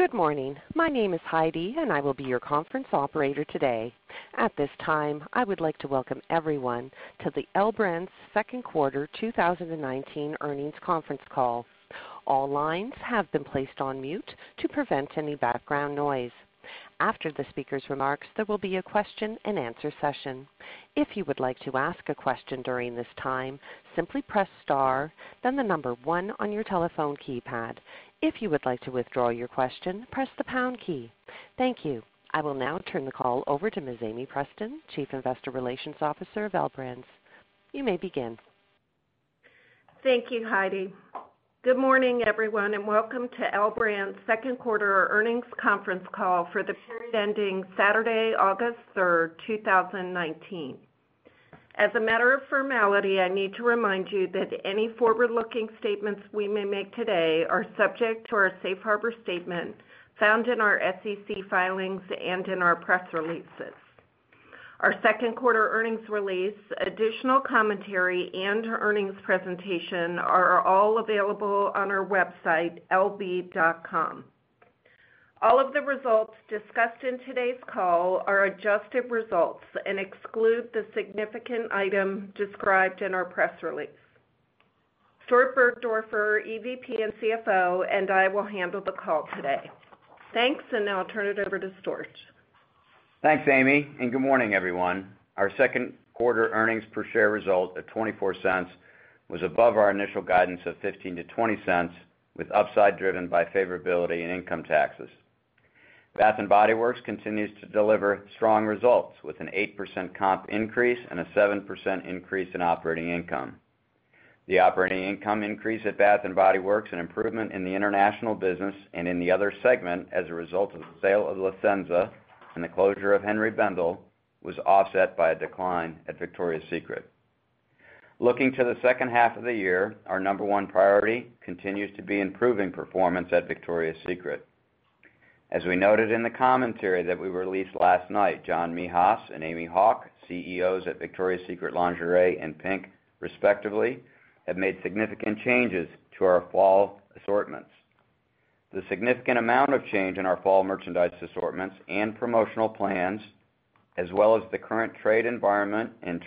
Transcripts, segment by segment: Good morning. My name is Heidi, and I will be your conference operator today. At this time, I would like to welcome everyone to the L Brands' second quarter 2019 earnings conference call. All lines have been placed on mute to prevent any background noise. After the speaker's remarks, there will be a question-and-answer session. If you would like to ask a question during this time, simply press star, then the number one on your telephone keypad. If you would like to withdraw your question, press the pound key. Thank you. I will now turn the call over to Ms. Amie Preston, Chief Investor Relations Officer of L Brands. You may begin. Thank you, Heidi. Good morning, everyone, and welcome to L Brands' second quarter earnings conference call for the period ending Saturday, August 3rd, 2019. As a matter of formality, I need to remind you that any forward-looking statements we may make today are subject to our Safe Harbor Statement found in our SEC filings and in our press releases. Our second quarter earnings release, additional commentary, and earnings presentation are all available on our website, lb.com. All of the results discussed in today's call are adjusted results and exclude the significant item described in our press release. Stuart Burgdoerfer, EVP and CFO, and I will handle the call today. Thanks, and now I'll turn it over to Stuart. Thanks, Amie, and good morning, everyone. Our second quarter earnings per share result at $0.24 was above our initial guidance of $0.15-$0.20, with upside driven by favorability in income taxes. Bath & Body Works continues to deliver strong results with an 8% comp increase and a 7% increase in operating income. The operating income increase at Bath & Body Works and improvement in the international business and in the other segment as a result of the sale of La Senza and the closure of Henri Bendel was offset by a decline at Victoria's Secret. Looking to the second half of the year, our number one priority continues to be improving performance at Victoria's Secret. As we noted in the commentary that we released last night, John Mehas and Amy Hauk, CEOs at Victoria's Secret Lingerie and PINK, respectively, have made significant changes to our fall assortments. The significant amount of change in our fall merchandise assortments and promotional plans, as well as the current trade environment and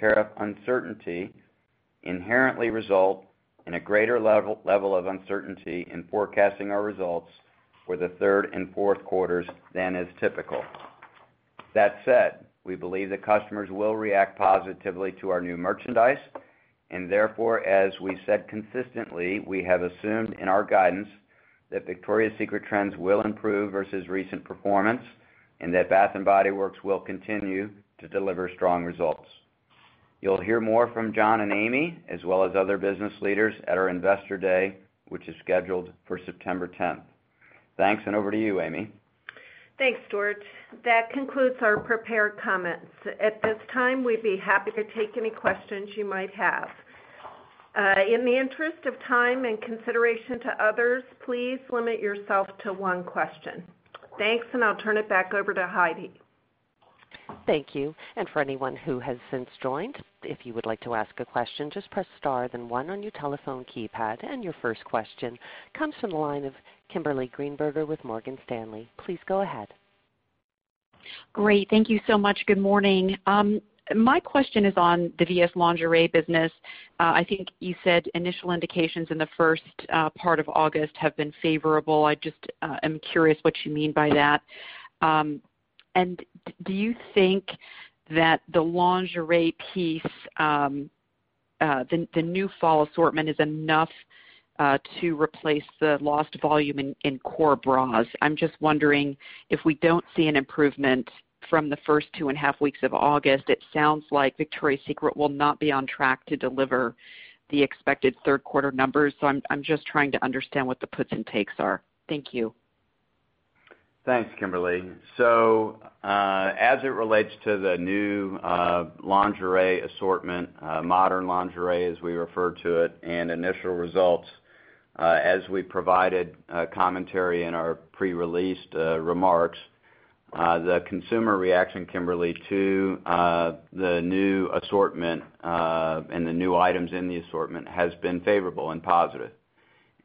tariff uncertainty, inherently result in a greater level of uncertainty in forecasting our results for the third and fourth quarters than is typical. That said, we believe that customers will react positively to our new merchandise, and therefore, as we said consistently, we have assumed in our guidance that Victoria's Secret trends will improve versus recent performance and that Bath & Body Works will continue to deliver strong results. You'll hear more from John and Amie, as well as other business leaders, at our Investor Day, which is scheduled for September 10th. Thanks, and over to you, Amie. Thanks, Stuart. That concludes our prepared comments. At this time, we'd be happy to take any questions you might have. In the interest of time and consideration to others, please limit yourself to one question. Thanks, and I'll turn it back over to Heidi. Thank you. And for anyone who has since joined, if you would like to ask a question, just press star, then one on your telephone keypad, and your first question comes from the line of Kimberly Greenberger with Morgan Stanley. Please go ahead. Great. Thank you so much. Good morning. My question is on the VS Lingerie business. I think you said initial indications in the first part of August have been favorable. I just am curious what you mean by that. And do you think that the lingerie piece, the new fall assortment, is enough to replace the lost volume in core bras? I'm just wondering if we don't see an improvement from the first two and a half weeks of August. It sounds like Victoria's Secret will not be on track to deliver the expected third quarter numbers, so I'm just trying to understand what the puts and takes are. Thank you. Thanks, Kimberly. So as it relates to the new lingerie assortment, modern lingerie as we refer to it, and initial results, as we provided commentary in our pre-released remarks, the consumer reaction, Kimberly, to the new assortment and the new items in the assortment has been favorable and positive,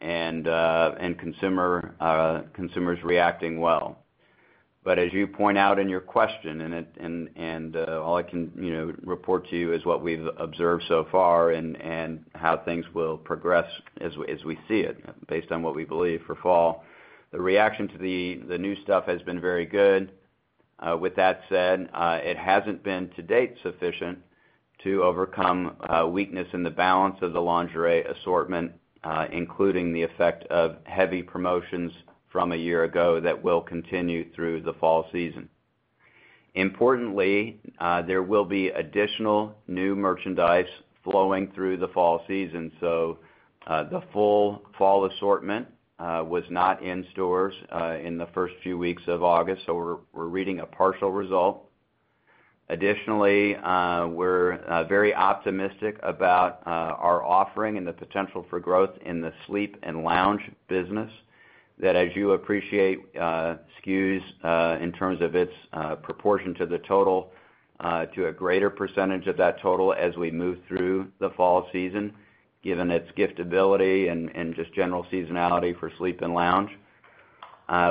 and consumers reacting well. But as you point out in your question, and all I can report to you is what we've observed so far and how things will progress as we see it based on what we believe for fall, the reaction to the new stuff has been very good. With that said, it hasn't been to date sufficient to overcome weakness in the balance of the lingerie assortment, including the effect of heavy promotions from a year ago that will continue through the fall season. Importantly, there will be additional new merchandise flowing through the fall season, so the full fall assortment was not in stores in the first few weeks of August, so we're reading a partial result. Additionally, we're very optimistic about our offering and the potential for growth in the sleep and lounge business that, as you appreciate, skews in terms of its proportion to the total to a greater percentage of that total as we move through the fall season, given its giftability and just general seasonality for sleep and lounge.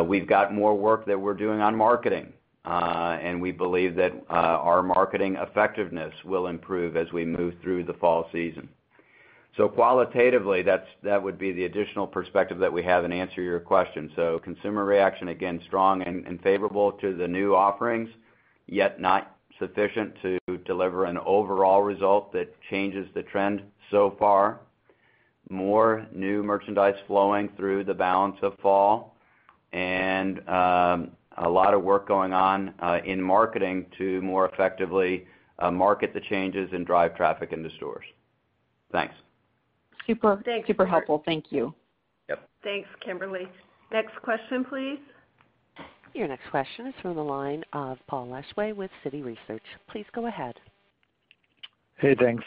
We've got more work that we're doing on marketing, and we believe that our marketing effectiveness will improve as we move through the fall season. So qualitatively, that would be the additional perspective that we have in answering your question. Consumer reaction, again, strong and favorable to the new offerings, yet not sufficient to deliver an overall result that changes the trend so far. More new merchandise flowing through the balance of fall, and a lot of work going on in marketing to more effectively market the changes and drive traffic into stores. Thanks. Super helpful. Thank you. Yep. Thanks, Kimberly. Next question, please. Your next question is from the line of Paul Lejuez with Citi Research. Please go ahead. Hey, thanks.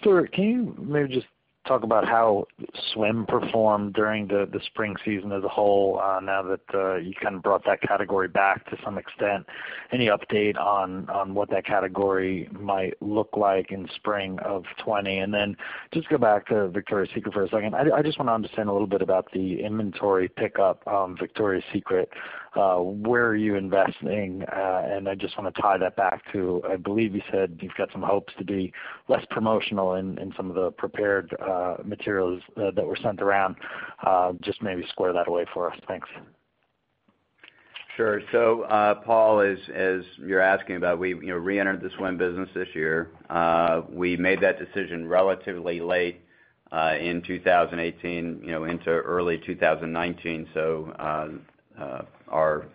Stuart, can you maybe just talk about how swim performed during the spring season as a whole now that you kind of brought that category back to some extent? Any update on what that category might look like in spring of 2020? And then just go back to Victoria's Secret for a second. I just want to understand a little bit about the inventory pickup on Victoria's Secret. Where are you investing? And I just want to tie that back to, I believe you said you've got some hopes to be less promotional in some of the prepared materials that were sent around. Just maybe square that away for us. Thanks. Sure. So Paul, as you're asking about, we re-entered the swim business this year. We made that decision relatively late in 2018 into early 2019, so our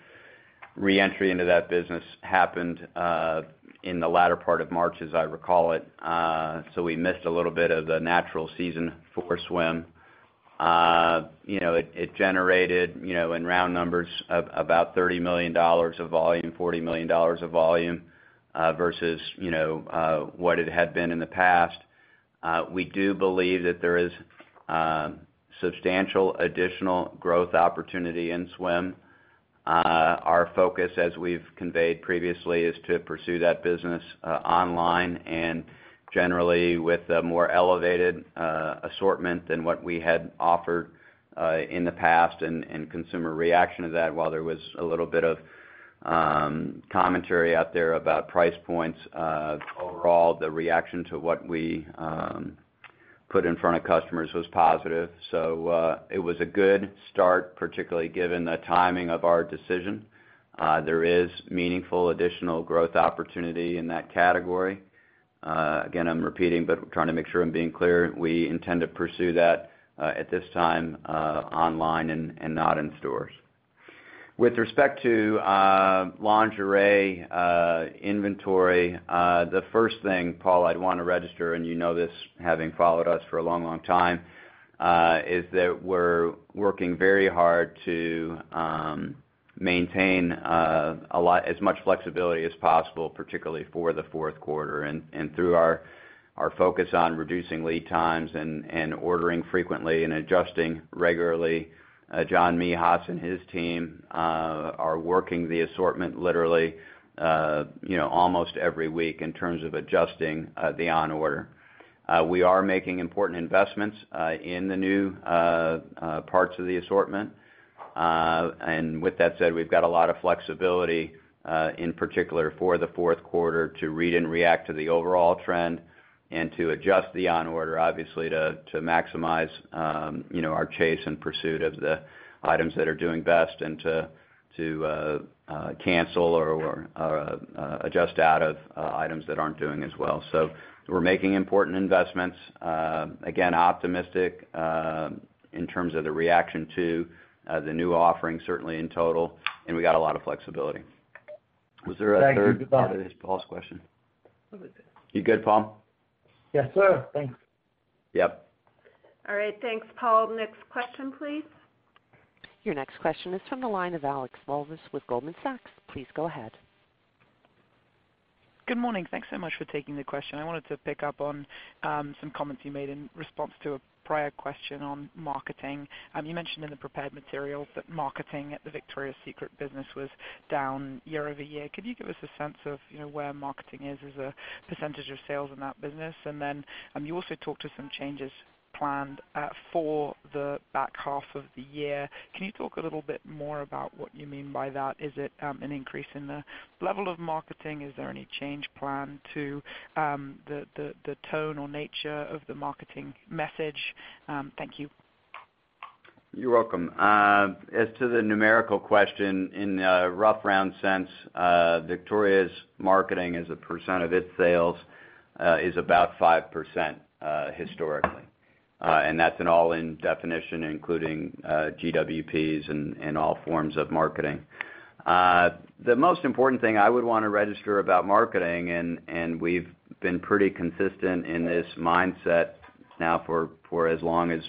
re-entry into that business happened in the latter part of March, as I recall it. So we missed a little bit of the natural season for swim. It generated, in round numbers, about $30 million of volume, $40 million of volume versus what it had been in the past. We do believe that there is substantial additional growth opportunity in swim. Our focus, as we've conveyed previously, is to pursue that business online and generally with a more elevated assortment than what we had offered in the past. And consumer reaction to that, while there was a little bit of commentary out there about price points, overall, the reaction to what we put in front of customers was positive. So it was a good start, particularly given the timing of our decision. There is meaningful additional growth opportunity in that category. Again, I'm repeating, but trying to make sure I'm being clear. We intend to pursue that at this time online and not in stores. With respect to lingerie inventory, the first thing, Paul, I'd want to register, and you know this having followed us for a long, long time, is that we're working very hard to maintain as much flexibility as possible, particularly for the fourth quarter. And through our focus on reducing lead times and ordering frequently and adjusting regularly, John Mehas and his team are working the assortment literally almost every week in terms of adjusting the on-order. We are making important investments in the new parts of the assortment. And with that said, we've got a lot of flexibility, in particular for the fourth quarter, to read and react to the overall trend and to adjust the on-order, obviously, to maximize our chase and pursuit of the items that are doing best and to cancel or adjust out of items that aren't doing as well. So we're making important investments. Again, optimistic in terms of the reaction to the new offering, certainly in total, and we got a lot of flexibility. Was there a third part of this Paul's question? What was it? You good, Paul? Yes, sir. Thanks. Yep. All right. Thanks, Paul. Next question, please. Your next question is from the line of Alexandra Walvis with Goldman Sachs. Please go ahead. Good morning. Thanks so much for taking the question. I wanted to pick up on some comments you made in response to a prior question on marketing. You mentioned in the prepared materials that marketing at the Victoria's Secret business was down year over year. Could you give us a sense of where marketing is as a percentage of sales in that business? And then you also talked of some changes planned for the back half of the year. Can you talk a little bit more about what you mean by that? Is it an increase in the level of marketing? Is there any change planned to the tone or nature of the marketing message? Thank you. You're welcome. As to the numerical question, in a rough round sense, Victoria's marketing as a percent of its sales is about 5% historically. And that's an all-in definition, including GWPs and all forms of marketing. The most important thing I would want to register about marketing, and we've been pretty consistent in this mindset now for as long as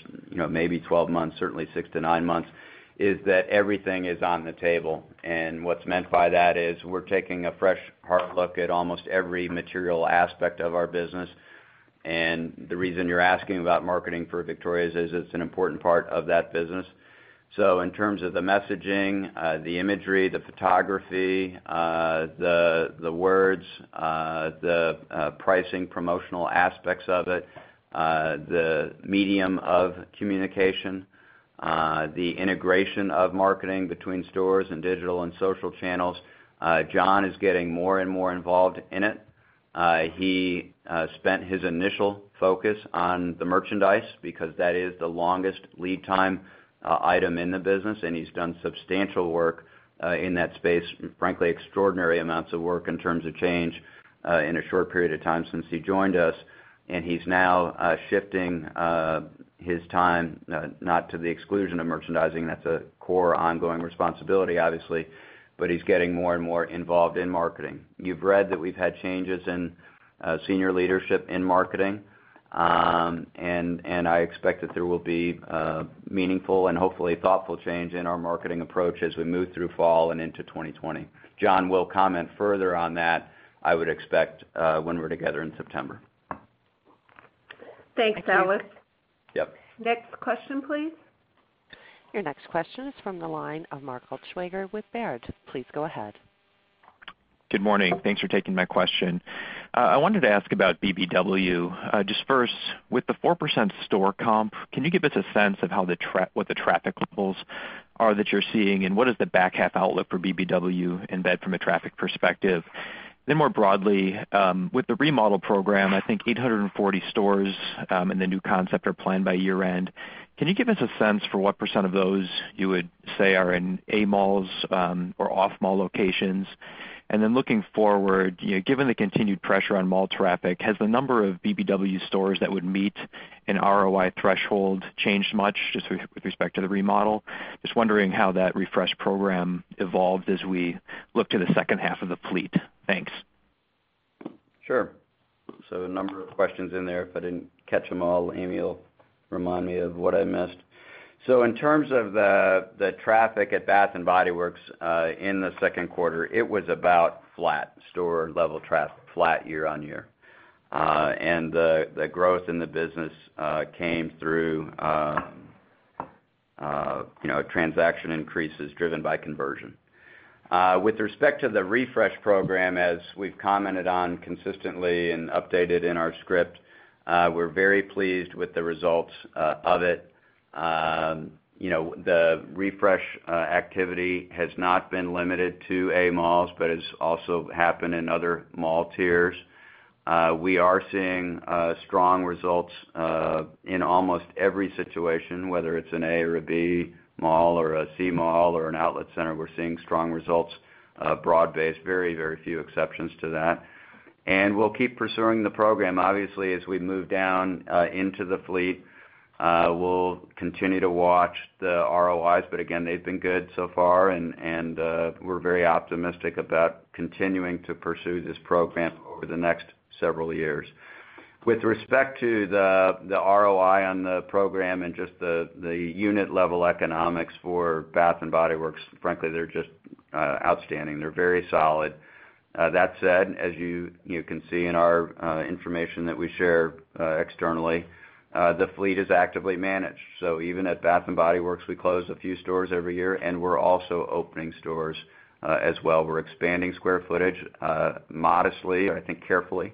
maybe 12 months, certainly six to nine months, is that everything is on the table. And what's meant by that is we're taking a fresh, hard look at almost every material aspect of our business. And the reason you're asking about marketing for Victoria's is it's an important part of that business. So in terms of the messaging, the imagery, the photography, the words, the pricing promotional aspects of it, the medium of communication, the integration of marketing between stores and digital and social channels, John is getting more and more involved in it. He spent his initial focus on the merchandise because that is the longest lead time item in the business, and he's done substantial work in that space, frankly, extraordinary amounts of work in terms of change in a short period of time since he joined us. And he's now shifting his time, not to the exclusion of merchandising - that's a core ongoing responsibility, obviously - but he's getting more and more involved in marketing. You've read that we've had changes in senior leadership in marketing, and I expect that there will be meaningful and hopefully thoughtful change in our marketing approach as we move through fall and into 2020. John will comment further on that, I would expect, when we're together in September. Thanks, Alex. Yep. Next question, please. Your next question is from the line of Mark Altschwager with Baird. Please go ahead. Good morning. Thanks for taking my question. I wanted to ask about BBW. Just first, with the 4% store comp, can you give us a sense of what the traffic levels are that you're seeing, and what is the back half outlook for BBW indeed from a traffic perspective? Then more broadly, with the remodel program, I think 840 stores in the new concept are planned by year-end. Can you give us a sense for what % of those you would say are in A-malls or off-mall locations? And then looking forward, given the continued pressure on mall traffic, has the number of BBW stores that would meet an ROI threshold changed much just with respect to the remodel? Just wondering how that refresh program evolves as we look to the second half of the fleet. Thanks. Sure. So a number of questions in there. If I didn't catch them all, Amie will remind me of what I missed. So in terms of the traffic at Bath & Body Works in the second quarter, it was about flat, store-level traffic, flat year on year, and the growth in the business came through transaction increases driven by conversion. With respect to the refresh program, as we've commented on consistently and updated in our script, we're very pleased with the results of it. The refresh activity has not been limited to A-malls but has also happened in other mall tiers. We are seeing strong results in almost every situation, whether it's an A or a B mall or a C mall or an outlet center. We're seeing strong results broad-based, very, very few exceptions to that, and we'll keep pursuing the program. Obviously, as we move down into the fleet, we'll continue to watch the ROIs, but again, they've been good so far, and we're very optimistic about continuing to pursue this program over the next several years. With respect to the ROI on the program and just the unit-level economics for Bath & Body Works, frankly, they're just outstanding. They're very solid. That said, as you can see in our information that we share externally, the fleet is actively managed. So even at Bath & Body Works, we close a few stores every year, and we're also opening stores as well. We're expanding square footage modestly, I think carefully,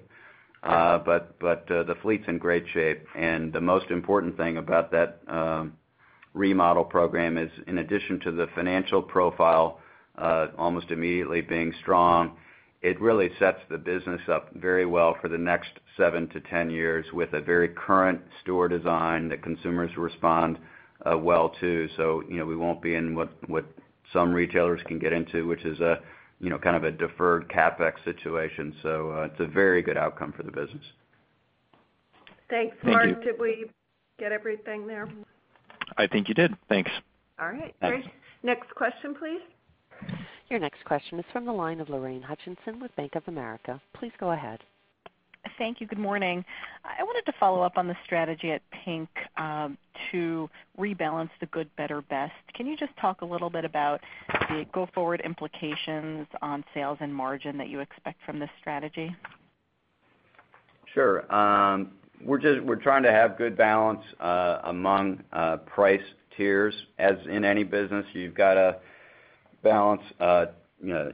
but the fleet's in great shape. The most important thing about that remodel program is, in addition to the financial profile almost immediately being strong, it really sets the business up very well for the next seven to 10 years with a very current store design that consumers respond well to. We won't be in what some retailers can get into, which is kind of a deferred CapEx situation. It's a very good outcome for the business. Thanks, Mark. Did we get everything there? I think you did. Thanks. All right. Great. Next question, please. Your next question is from the line of Lorraine Hutchinson with Bank of America. Please go ahead. Thank you. Good morning. I wanted to follow up on the strategy at PINK to rebalance the good, better, best. Can you just talk a little bit about the go-forward implications on sales and margin that you expect from this strategy? Sure. We're trying to have good balance among price tiers. As in any business, you've got to balance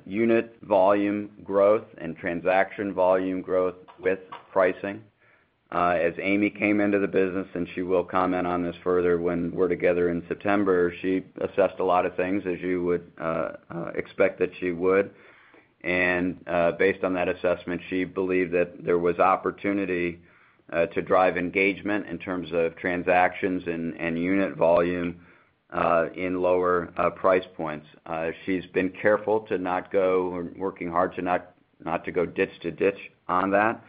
unit volume growth and transaction volume growth with pricing. As Amie came into the business, and she will comment on this further when we're together in September, she assessed a lot of things, as you would expect that she would. And based on that assessment, she believed that there was opportunity to drive engagement in terms of transactions and unit volume in lower price points. She's been careful, working hard to not go ditch to ditch on that,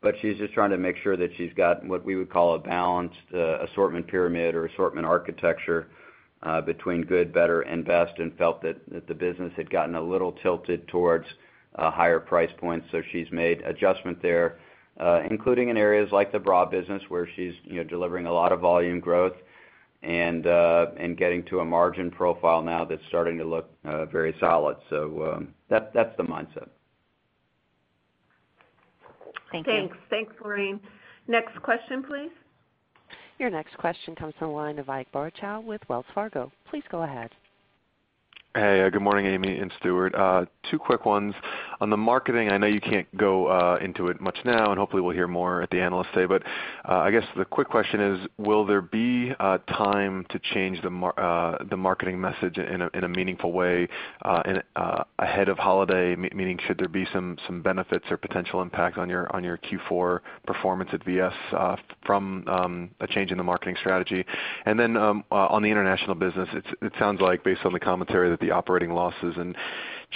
but she's just trying to make sure that she's got what we would call a balanced assortment pyramid or assortment architecture between good, better, and best and felt that the business had gotten a little tilted towards higher price points. So she's made adjustments there, including in areas like the bra business where she's delivering a lot of volume growth and getting to a margin profile now that's starting to look very solid. So that's the mindset. Thank you. Thanks. Thanks, Lorraine. Next question, please. Your next question comes from the line of Ike Boruchow with Wells Fargo. Please go ahead. Hey. Good morning, Amie and Stuart. Two quick ones. On the marketing, I know you can't go into it much now, and hopefully we'll hear more at the analyst day, but I guess the quick question is, will there be time to change the marketing message in a meaningful way ahead of holiday? Meaning, should there be some benefits or potential impact on your Q4 performance at VS from a change in the marketing strategy? And then on the international business, it sounds like, based on the commentary, that the operating losses in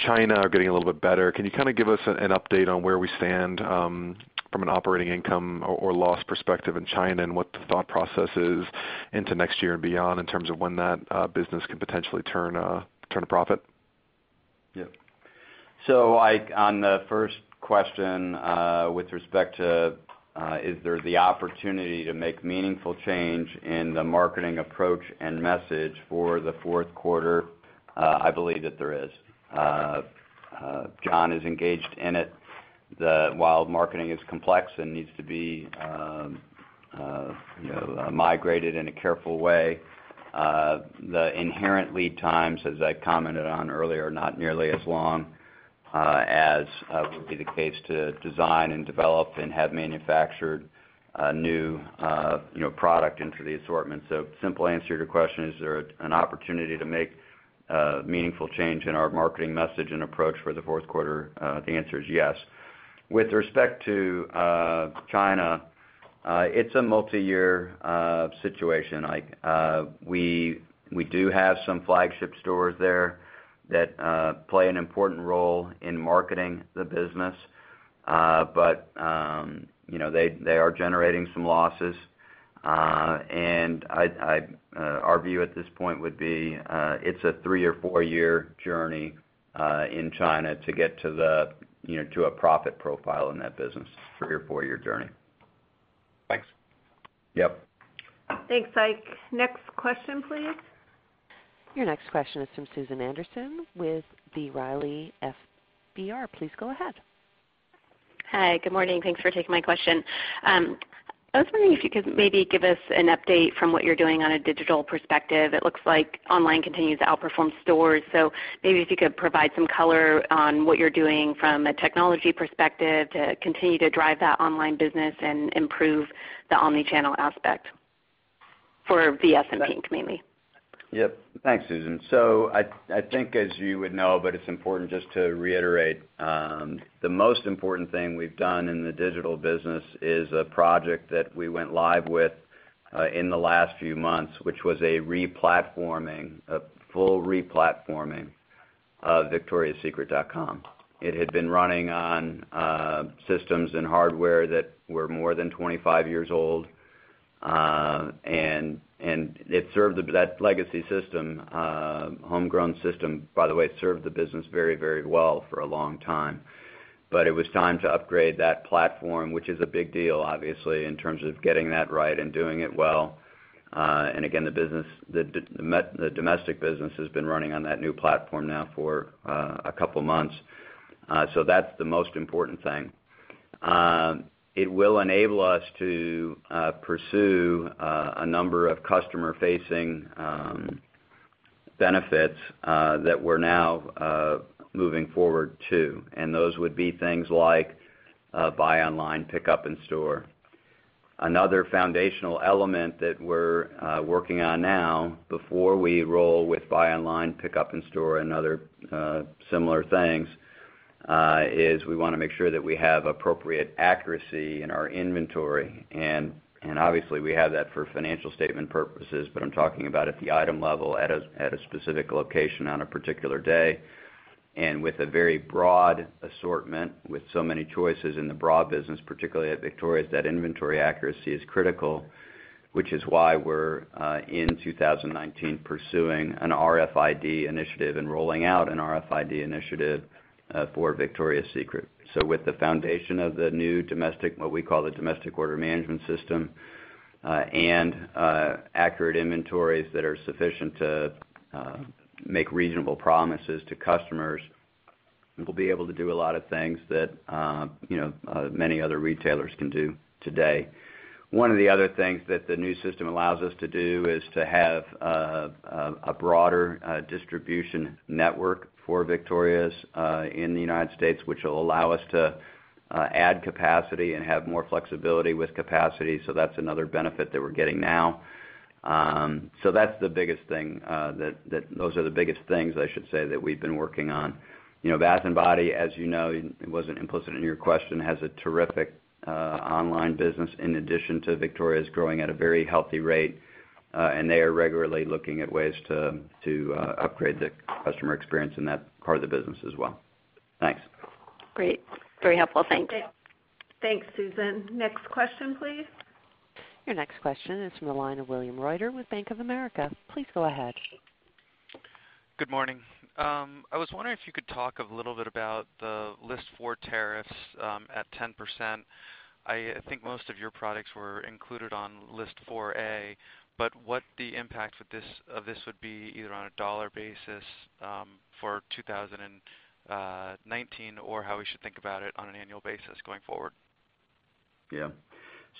China are getting a little bit better. Can you kind of give us an update on where we stand from an operating income or loss perspective in China and what the thought process is into next year and beyond in terms of when that business can potentially turn a profit? Yep. So on the first question, with respect to is there the opportunity to make meaningful change in the marketing approach and message for the fourth quarter, I believe that there is. John is engaged in it. While marketing is complex and needs to be migrated in a careful way, the inherent lead times, as I commented on earlier, are not nearly as long as would be the case to design and develop and have manufactured new product into the assortment. So simple answer to your question, is there an opportunity to make meaningful change in our marketing message and approach for the fourth quarter? The answer is yes. With respect to China, it's a multi-year situation. We do have some flagship stores there that play an important role in marketing the business, but they are generating some losses. Our view at this point would be it's a three or four-year journey in China to get to a profit profile in that business. It's a three or four-year journey. Thanks. Yep. Thanks, Ike. Next question, please. Your next question is from Susan Anderson with B. Riley FBR. Please go ahead. Hi. Good morning. Thanks for taking my question. I was wondering if you could maybe give us an update from what you're doing on a digital perspective. It looks like online continues to outperform stores. So maybe if you could provide some color on what you're doing from a technology perspective to continue to drive that online business and improve the omnichannel aspect for VS and PINK, mainly? Yep. Thanks, Susan. So I think, as you would know, but it's important just to reiterate, the most important thing we've done in the digital business is a project that we went live with in the last few months, which was a replatforming, a full replatforming of VictoriasSecret.com. It had been running on systems and hardware that were more than 25 years old, and it served that legacy system, homegrown system, by the way, served the business very, very well for a long time. But it was time to upgrade that platform, which is a big deal, obviously, in terms of getting that right and doing it well. And again, the domestic business has been running on that new platform now for a couple of months. So that's the most important thing. It will enable us to pursue a number of customer-facing benefits that we're now moving forward to. And those would be things like Buy Online, Pick Up In-Store. Another foundational element that we're working on now before we roll with Buy Online, Pick Up In-Store, and other similar things is we want to make sure that we have appropriate accuracy in our inventory. And obviously, we have that for financial statement purposes, but I'm talking about at the item level at a specific location on a particular day. And with a very broad assortment, with so many choices in the broad business, particularly at Victoria, that inventory accuracy is critical, which is why we're, in 2019, pursuing an RFID initiative and rolling out an RFID initiative for Victoria's Secret. So with the foundation of the new domestic, what we call the domestic order management system and accurate inventories that are sufficient to make reasonable promises to customers, we'll be able to do a lot of things that many other retailers can do today. One of the other things that the new system allows us to do is to have a broader distribution network for Victoria's in the United States, which will allow us to add capacity and have more flexibility with capacity. So that's another benefit that we're getting now. So that's the biggest thing that those are the biggest things, I should say, that we've been working on. Bath & Body, as you know, it wasn't implicit in your question, has a terrific online business in addition to Victoria's growing at a very healthy rate, and they are regularly looking at ways to upgrade the customer experience in that part of the business as well. Thanks. Great. Very helpful. Thanks. Thanks, Susan. Next question, please. Your next question is from the line of William Reuter with Bank of America. Please go ahead. Good morning. I was wondering if you could talk a little bit about the List 4 tariffs at 10%. I think most of your products were included on List 4A, but what the impact of this would be either on a dollar basis for 2019 or how we should think about it on an annual basis going forward? Yeah.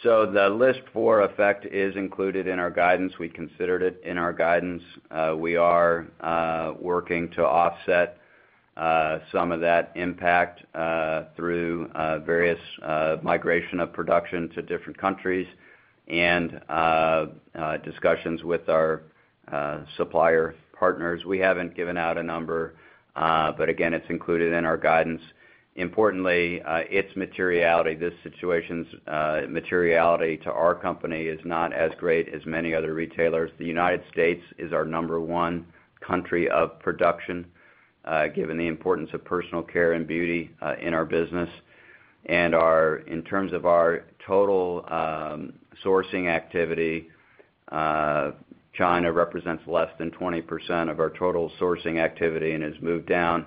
So the List 4 effect is included in our guidance. We considered it in our guidance. We are working to offset some of that impact through various migration of production to different countries and discussions with our supplier partners. We haven't given out a number, but again, it's included in our guidance. Importantly, its materiality, this situation's materiality to our company is not as great as many other retailers. The United States is our number one country of production, given the importance of personal care and beauty in our business. And in terms of our total sourcing activity, China represents less than 20% of our total sourcing activity and has moved down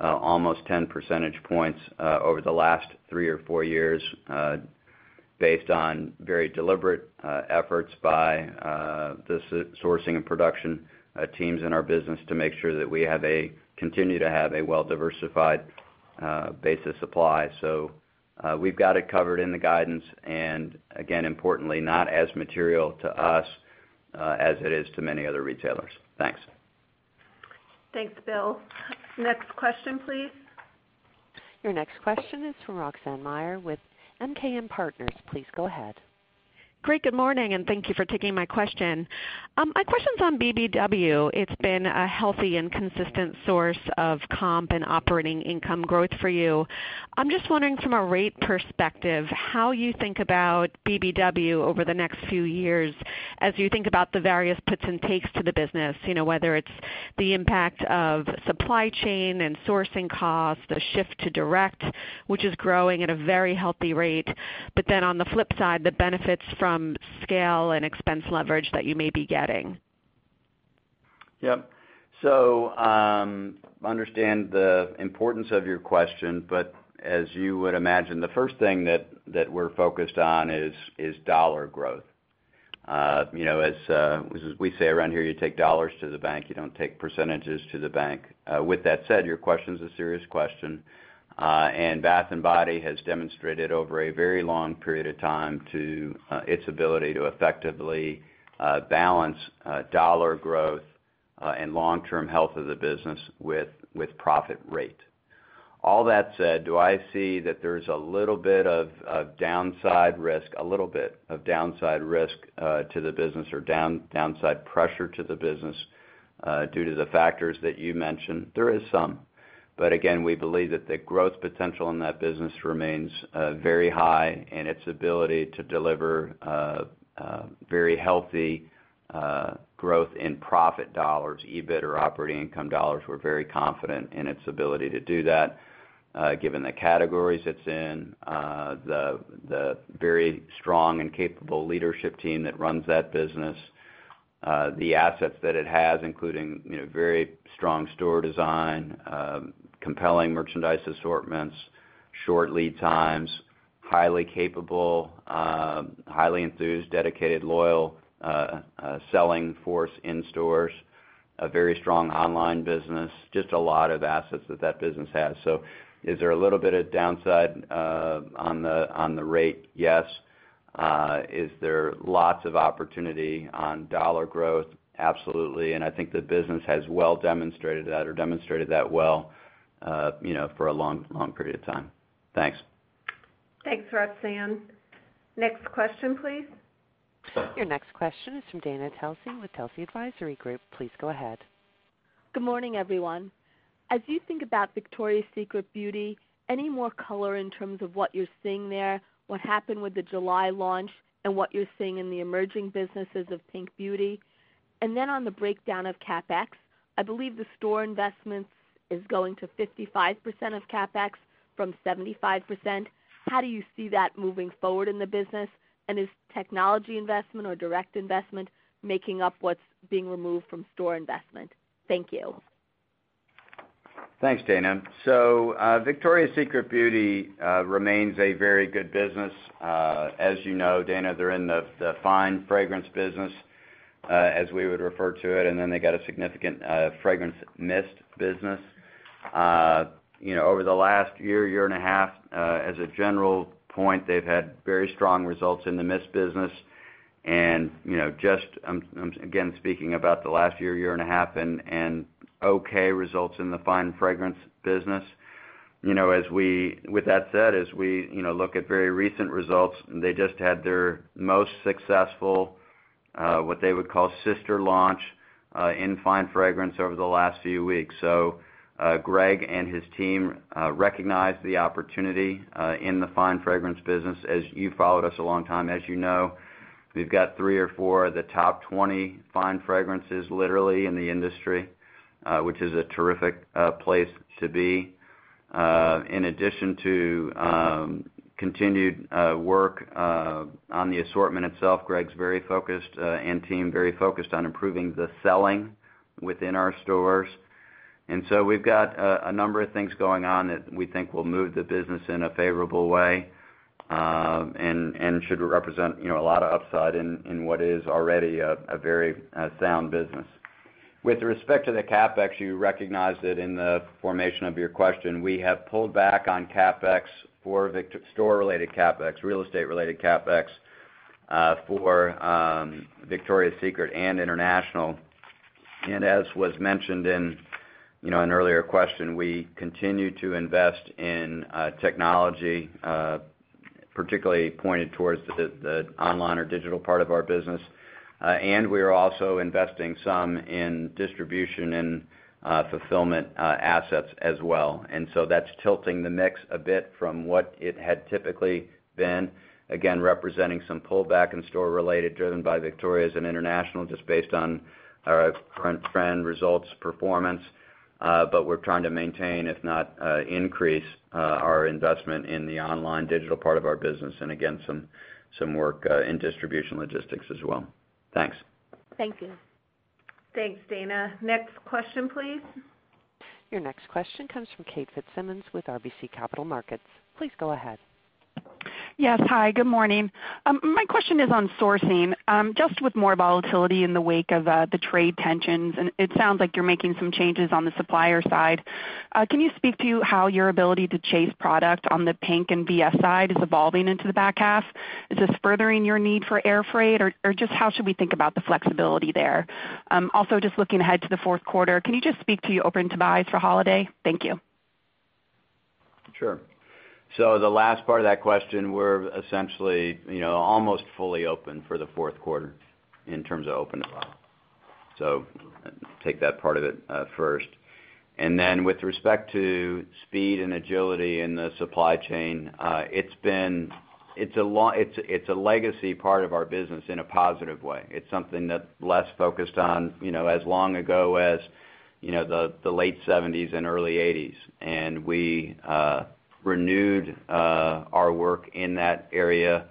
almost 10 percentage points over the last three or four years based on very deliberate efforts by the sourcing and production teams in our business to make sure that we continue to have a well-diversified base of supply. So we've got it covered in the guidance. And again, importantly, not as material to us as it is to many other retailers. Thanks. Thanks, Bill. Next question, please. Your next question is from Roxanne Meyer with MKM Partners. Please go ahead. Great. Good morning, and thank you for taking my question. My question's on BBW. It's been a healthy and consistent source of comp and operating income growth for you. I'm just wondering, from a rate perspective, how you think about BBW over the next few years as you think about the various puts and takes to the business, whether it's the impact of supply chain and sourcing costs, the shift to direct, which is growing at a very healthy rate, but then on the flip side, the benefits from scale and expense leverage that you may be getting. Yep. So I understand the importance of your question, but as you would imagine, the first thing that we're focused on is dollar growth. As we say around here, you take dollars to the bank. You don't take percentages to the bank. With that said, your question's a serious question, and Bath & Body Works has demonstrated over a very long period of time its ability to effectively balance dollar growth and long-term health of the business with profit rate. All that said, do I see that there's a little bit of downside risk, a little bit of downside risk to the business or downside pressure to the business due to the factors that you mentioned? There is some, but again, we believe that the growth potential in that business remains very high and its ability to deliver very healthy growth in profit dollars, EBIT or operating income dollars. We're very confident in its ability to do that given the categories it's in, the very strong and capable leadership team that runs that business, the assets that it has, including very strong store design, compelling merchandise assortments, short lead times, highly capable, highly enthused, dedicated, loyal selling force in stores, a very strong online business, just a lot of assets that that business has. So is there a little bit of downside on the rate? Yes. Is there lots of opportunity on dollar growth? Absolutely. And I think the business has well demonstrated that or demonstrated that well for a long, long period of time. Thanks. Thanks, Roxanne. Next question, please. Your next question is from Dana Telsey with Telsey Advisory Group. Please go ahead. Good morning, everyone. As you think about Victoria's Secret Beauty, any more color in terms of what you're seeing there, what happened with the July launch, and what you're seeing in the emerging businesses of PINK Beauty? And then on the breakdown of CapEx, I believe the store investments is going to 55% of CapEx from 75%. How do you see that moving forward in the business? And is technology investment or direct investment making up what's being removed from store investment? Thank you. Thanks, Dana. So Victoria's Secret Beauty remains a very good business. As you know, Dana, they're in the fine fragrance business, as we would refer to it, and then they got a significant fragrance mist business. Over the last year, year and a half, as a general point, they've had very strong results in the mist business. And just, again, speaking about the last year, year and a half, and okay results in the fine fragrance business. With that said, as we look at very recent results, they just had their most successful, what they would call sister launch in fine fragrance over the last few weeks. So Greg and his team recognized the opportunity in the fine fragrance business. As you've followed us a long time, as you know, we've got three or four of the top 20 fine fragrances literally in the industry, which is a terrific place to be. In addition to continued work on the assortment itself, Greg's very focused and team very focused on improving the selling within our stores, and so we've got a number of things going on that we think will move the business in a favorable way and should represent a lot of upside in what is already a very sound business. With respect to the CapEx, you recognized it in the formation of your question. We have pulled back on CapEx for store-related CapEx, real estate-related CapEx for Victoria's Secret and international, and as was mentioned in an earlier question, we continue to invest in technology, particularly pointed towards the online or digital part of our business. We are also investing some in distribution and fulfillment assets as well. So that's tilting the mix a bit from what it had typically been, again, representing some pullback in store-related driven by Victoria's and international just based on our current trend results performance. But we're trying to maintain, if not increase, our investment in the online digital part of our business and, again, some work in distribution logistics as well. Thanks. Thank you. Thanks, Dana. Next question, please. Your next question comes from Kate Fitzsimons with RBC Capital Markets. Please go ahead. Yes. Hi. Good morning. My question is on sourcing. Just with more volatility in the wake of the trade tensions, and it sounds like you're making some changes on the supplier side. Can you speak to how your ability to chase product on the PINK and VS side is evolving into the back half? Is this furthering your need for air freight, or just how should we think about the flexibility there? Also, just looking ahead to the fourth quarter, can you just speak to your open-to-buy for holiday? Thank you. Sure. So the last part of that question, we're essentially almost fully open for the fourth quarter in terms of open to buy. So take that part of it first. And then with respect to speed and agility in the supply chain, it's a legacy part of our business in a positive way. It's something that's less focused on as long ago as the late 1970s and early 1980s. And we renewed our work in that area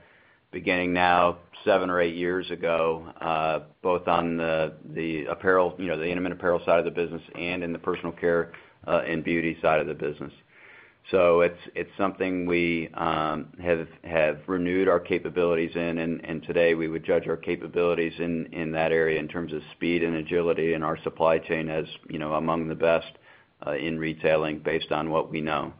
beginning now seven or eight years ago, both on the apparel, the intimate apparel side of the business and in the personal care and beauty side of the business. So it's something we have renewed our capabilities in, and today we would judge our capabilities in that area in terms of speed and agility and our supply chain as among the best in retailing based on what we know.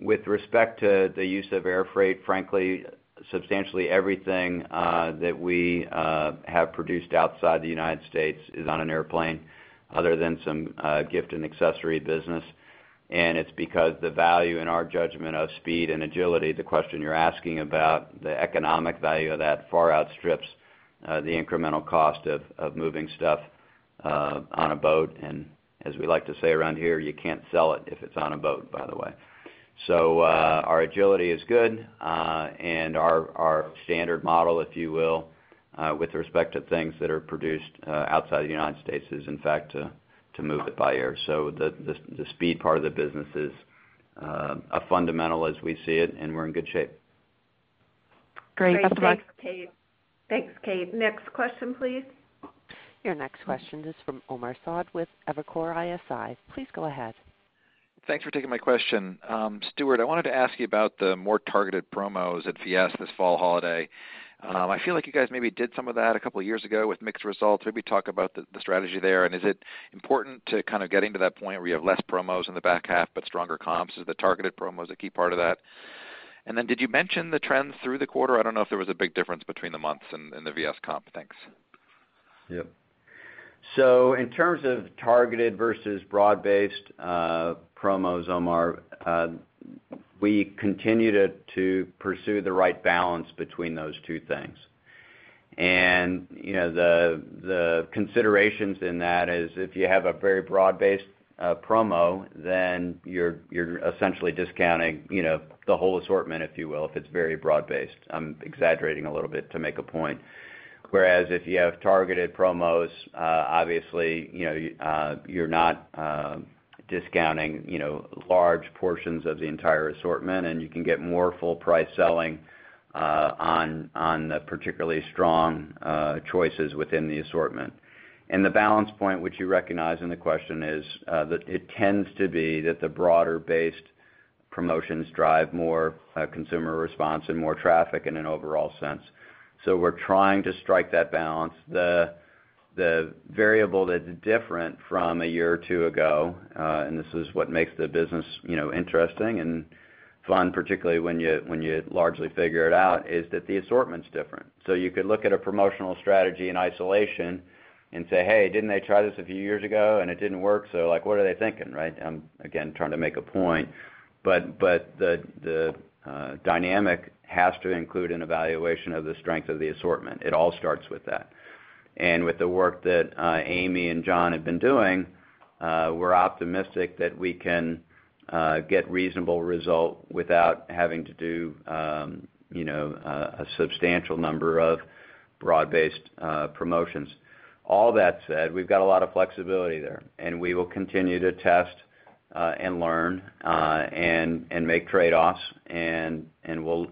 With respect to the use of air freight, frankly, substantially everything that we have produced outside the United States is on an airplane other than some gift and accessory business. And it's because the value in our judgment of speed and agility, the question you're asking about, the economic value of that far outstrips the incremental cost of moving stuff on a boat. And as we like to say around here, you can't sell it if it's on a boat, by the way. So our agility is good, and our standard model, if you will, with respect to things that are produced outside the United States is, in fact, to move it by air. So the speed part of the business is fundamental as we see it, and we're in good shape. Great. That's about it. Thanks, Kate. Next question, please. Your next question is from Omar Saad with Evercore ISI. Please go ahead. Thanks for taking my question. Stuart, I wanted to ask you about the more targeted promos at VS this fall holiday. I feel like you guys maybe did some of that a couple of years ago with mixed results. Maybe talk about the strategy there. And is it important to kind of getting to that point where you have less promos in the back half but stronger comps? Is the targeted promos a key part of that? And then did you mention the trends through the quarter? I don't know if there was a big difference between the months and the VS comp. Thanks. Yep. So in terms of targeted versus broad-based promos, Omar, we continue to pursue the right balance between those two things. And the considerations in that is if you have a very broad-based promo, then you're essentially discounting the whole assortment, if you will, if it's very broad-based. I'm exaggerating a little bit to make a point. Whereas if you have targeted promos, obviously, you're not discounting large portions of the entire assortment, and you can get more full-price selling on the particularly strong choices within the assortment. And the balance point, which you recognize in the question, is that it tends to be that the broader-based promotions drive more consumer response and more traffic in an overall sense. So we're trying to strike that balance. The variable that's different from a year or two ago, and this is what makes the business interesting and fun, particularly when you largely figure it out, is that the assortment's different. So you could look at a promotional strategy in isolation and say, "Hey, didn't they try this a few years ago, and it didn't work? So what are they thinking?" Right? I'm, again, trying to make a point. But the dynamic has to include an evaluation of the strength of the assortment. It all starts with that. And with the work that Amie and John have been doing, we're optimistic that we can get reasonable results without having to do a substantial number of broad-based promotions. All that said, we've got a lot of flexibility there, and we will continue to test and learn and make trade-offs. We'll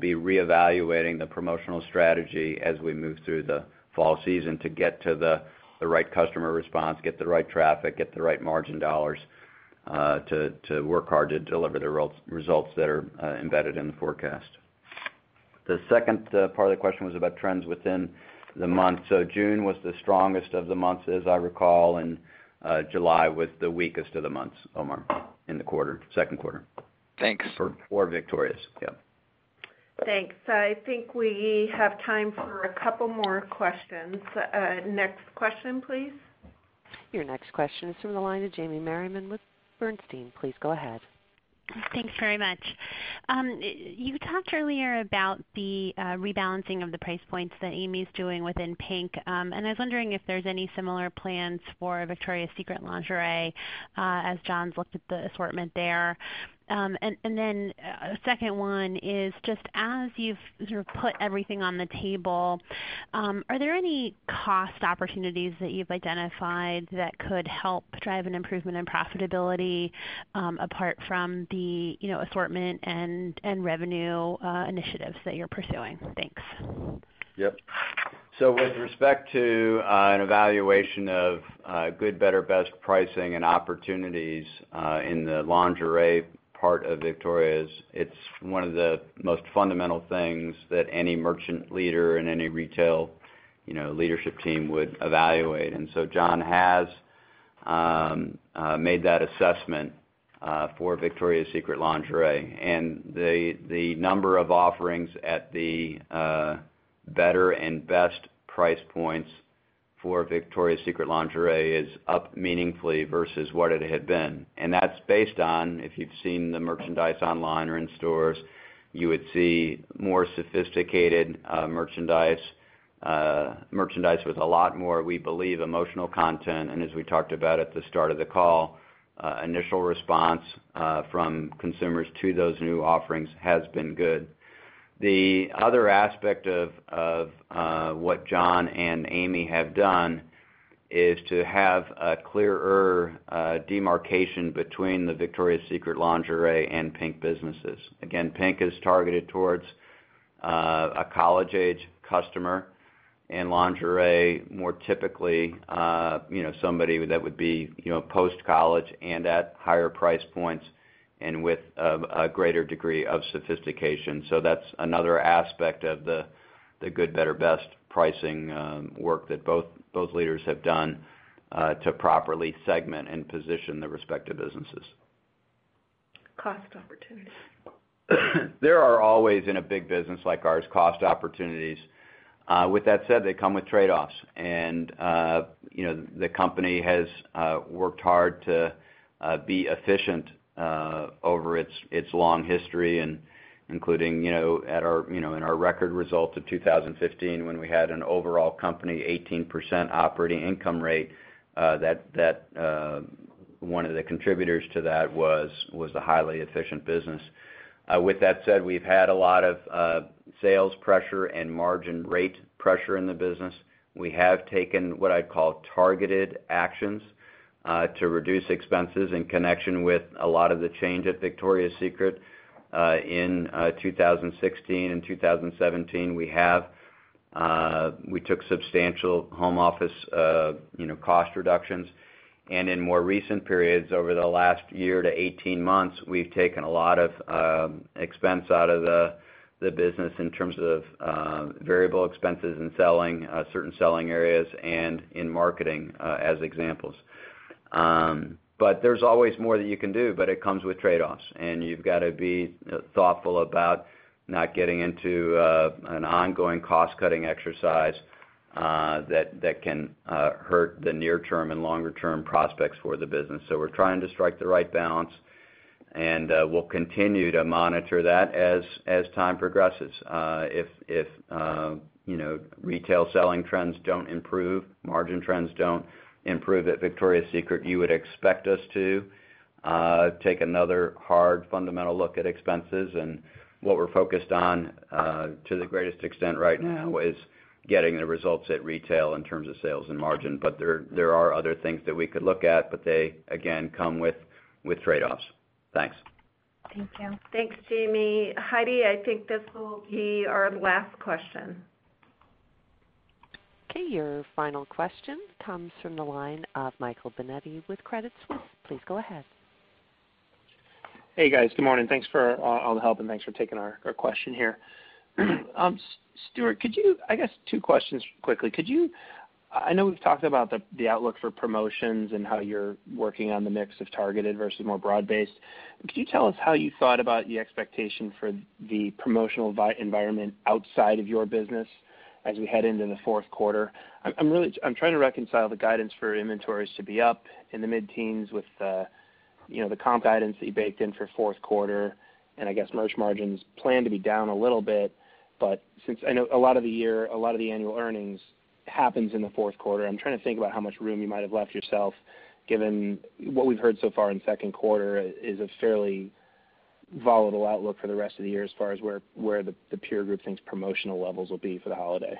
be reevaluating the promotional strategy as we move through the fall season to get to the right customer response, get the right traffic, get the right margin dollars to work hard to deliver the results that are embedded in the forecast. The second part of the question was about trends within the month. June was the strongest of the months, as I recall, and July was the weakest of the months, Omar, in the quarter, second quarter. Thanks. For Victoria's. Yep. Thanks. I think we have time for a couple more questions. Next question, please. Your next question is from the line of Jamie Merriman with Bernstein. Please go ahead. Thanks very much. You talked earlier about the rebalancing of the price points that Amy's doing within PINK. And I was wondering if there's any similar plans for Victoria's Secret Lingerie as John's looked at the assortment there? And then a second one is just as you've sort of put everything on the table, are there any cost opportunities that you've identified that could help drive an improvement in profitability apart from the assortment and revenue initiatives that you're pursuing? Thanks. Yep. So with respect to an evaluation of good, better, best pricing and opportunities in the lingerie part of Victoria's, it's one of the most fundamental things that any merchant leader and any retail leadership team would evaluate. And so John has made that assessment for Victoria's Secret Lingerie. And the number of offerings at the better and best price points for Victoria's Secret Lingerie is up meaningfully versus what it had been. And that's based on, if you've seen the merchandise online or in stores, you would see more sophisticated merchandise with a lot more, we believe, emotional content. And as we talked about at the start of the call, initial response from consumers to those new offerings has been good. The other aspect of what John and Amie have done is to have a clearer demarcation between the Victoria's Secret Lingerie and PINK businesses. Again, PINK is targeted toward a college-age customer, and Lingerie, more typically, somebody that would be post-college and at higher price points and with a greater degree of sophistication. So that's another aspect of the good, better, best pricing work that both leaders have done to properly segment and position the respective businesses. Cost opportunities. There are always, in a big business like ours, cost opportunities. With that said, they come with trade-offs, and the company has worked hard to be efficient over its long history, including in our record result of 2015 when we had an overall company 18% operating income rate. One of the contributors to that was a highly efficient business. With that said, we've had a lot of sales pressure and margin rate pressure in the business. We have taken what I'd call targeted actions to reduce expenses in connection with a lot of the change at Victoria's Secret in 2016 and 2017. We took substantial home office cost reductions, and in more recent periods, over the last year to 18 months, we've taken a lot of expense out of the business in terms of variable expenses and selling certain selling areas and in marketing as examples. But there's always more that you can do, but it comes with trade-offs. And you've got to be thoughtful about not getting into an ongoing cost-cutting exercise that can hurt the near-term and longer-term prospects for the business. So we're trying to strike the right balance, and we'll continue to monitor that as time progresses. If retail selling trends don't improve, margin trends don't improve at Victoria's Secret, you would expect us to take another hard fundamental look at expenses. And what we're focused on to the greatest extent right now is getting the results at retail in terms of sales and margin. But there are other things that we could look at, but they, again, come with trade-offs. Thanks. Thank you. Thanks, Jamie. Heidi, I think this will be our last question. Okay. Your final question comes from the line of Michael Binetti with Credit Suisse. Please go ahead. Hey, guys. Good morning. Thanks for all the help, and thanks for taking our question here. Stuart, could you? I guess two questions quickly. I know we've talked about the outlook for promotions and how you're working on the mix of targeted versus more broad-based. Could you tell us how you thought about the expectation for the promotional environment outside of your business as we head into the fourth quarter? I'm trying to reconcile the guidance for inventories to be up in the mid-teens with the comp guidance that you baked in for fourth quarter. And I guess merch margins plan to be down a little bit. But since I know a lot of the year, a lot of the annual earnings happens in the fourth quarter, I'm trying to think about how much room you might have left yourself given what we've heard so far in second quarter is a fairly volatile outlook for the rest of the year as far as where the peer group thinks promotional levels will be for the holiday.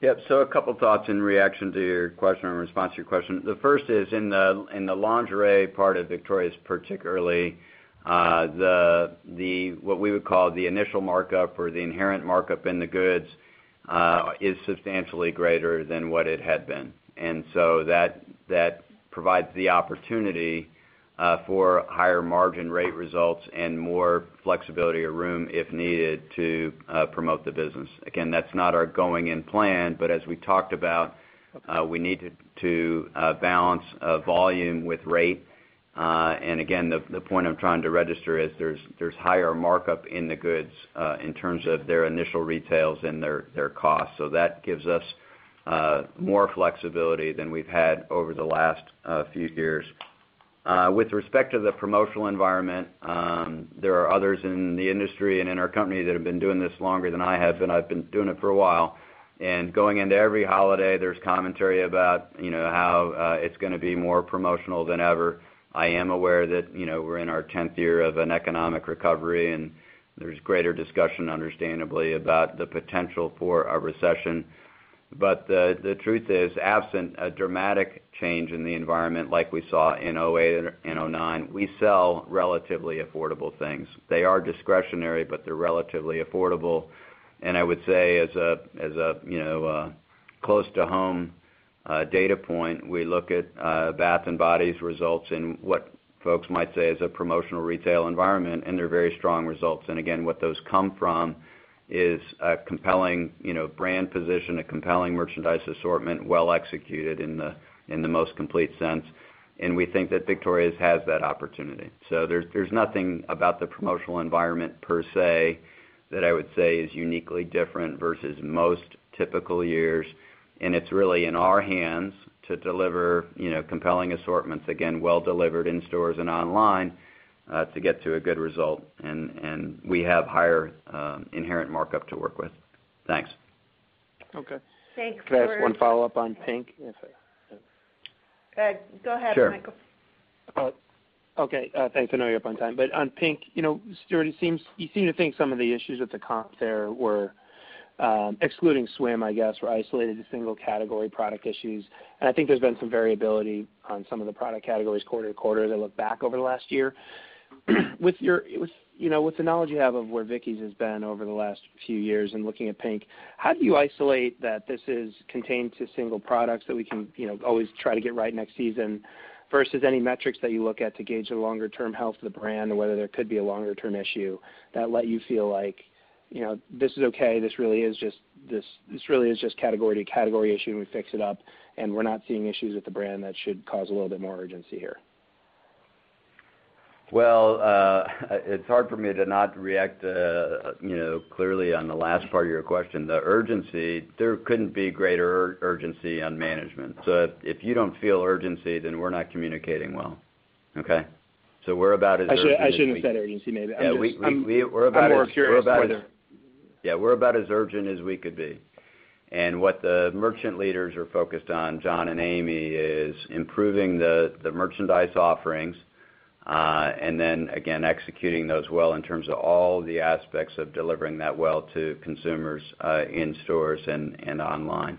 Yep. So a couple of thoughts in reaction to your question or in response to your question. The first is in the lingerie part of Victoria's, particularly, what we would call the initial markup or the inherent markup in the goods is substantially greater than what it had been. And so that provides the opportunity for higher margin rate results and more flexibility or room, if needed, to promote the business. Again, that's not our going-in plan, but as we talked about, we need to balance volume with rate. And again, the point I'm trying to register is there's higher markup in the goods in terms of their initial retails and their costs. So that gives us more flexibility than we've had over the last few years. With respect to the promotional environment, there are others in the industry and in our company that have been doing this longer than I have, and I've been doing it for a while, and going into every holiday, there's commentary about how it's going to be more promotional than ever. I am aware that we're in our 10th year of an economic recovery, and there's greater discussion, understandably, about the potential for a recession, but the truth is, absent a dramatic change in the environment like we saw in 2008 and 2009, we sell relatively affordable things. They are discretionary, but they're relatively affordable, and I would say, as a close-to-home data point, we look at Bath & Body Works' results in what folks might say is a promotional retail environment, and they're very strong results. And again, what those come from is a compelling brand position, a compelling merchandise assortment, well executed in the most complete sense. And we think that Victoria's has that opportunity. So there's nothing about the promotional environment per se that I would say is uniquely different versus most typical years. And it's really in our hands to deliver compelling assortments, again, well delivered in stores and online to get to a good result. And we have higher inherent markup to work with. Thanks. Okay. Thanks, Michael. Can I ask one follow-up on PINK? Go ahead, Michael. Sure. Okay. Thanks. I know you're up on time. But on PINK, you seem to think some of the issues with the comps there were excluding swim, I guess, were isolated to single-category product issues. And I think there's been some variability on some of the product categories quarter to quarter as I look back over the last year. With the knowledge you have of where Vicky's has been over the last few years and looking at PINK, how do you isolate that this is contained to single products that we can always try to get right next season versus any metrics that you look at to gauge the longer-term health of the brand or whether there could be a longer-term issue that let you feel like, "This is okay"? This really is just category-to-category issue, and we fix it up, and we're not seeing issues with the brand that should cause a little bit more urgency here? It's hard for me to not react clearly on the last part of your question. The urgency, there couldn't be greater urgency on management. So if you don't feel urgency, then we're not communicating well. Okay? So we're about as urgent. I shouldn't have said urgency, maybe. Yeah. We're about as. I'm more curious whether. Yeah. We're about as urgent as we could be. And what the merchant leaders are focused on, John and Amie, is improving the merchandise offerings and then, again, executing those well in terms of all the aspects of delivering that well to consumers in stores and online.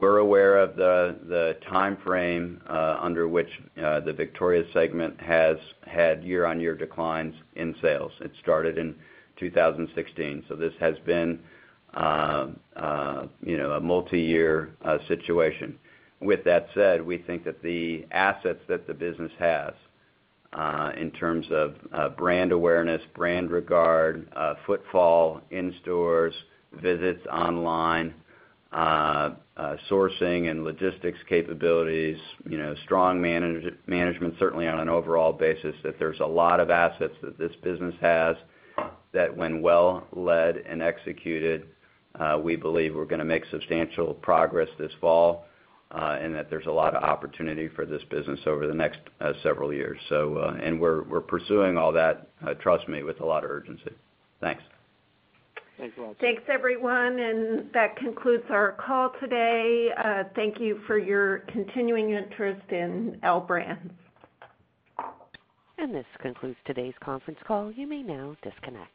We're aware of the time frame under which the Victoria's segment has had year-on-year declines in sales. It started in 2016. So this has been a multi-year situation. With that said, we think that the assets that the business has in terms of brand awareness, brand regard, footfall in stores, visits online, sourcing and logistics capabilities, strong management, certainly on an overall basis, that there's a lot of assets that this business has that, when well led and executed, we believe we're going to make substantial progress this fall and that there's a lot of opportunity for this business over the next several years. And we're pursuing all that, trust me, with a lot of urgency. Thanks. Thanks a lot. Thanks, everyone. And that concludes our call today. Thank you for your continuing interest in L Brands. This concludes today's conference call. You may now disconnect.